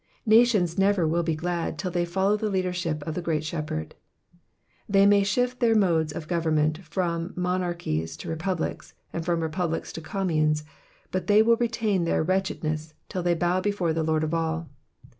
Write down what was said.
Nations never will be glad till they follow the leadership of the great Shepherd ; they may shift their modes of government from monarchies to republics, and from republics to communes, but they will retain their wretchedness till they bow before the Lord of all.